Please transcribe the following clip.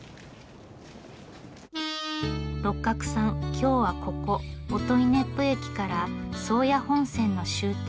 今日はここ音威子府駅から宗谷本線の終点